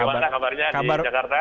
bagaimana kabarnya di jakarta